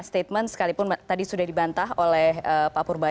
statement sekalipun tadi sudah dibantah oleh pak purbay